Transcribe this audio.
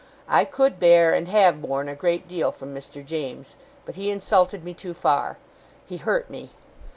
I could bear, and I have borne, a great deal from Mr. James; but he insulted me too far. He hurt me.